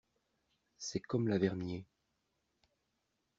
C'est comme Lavernié.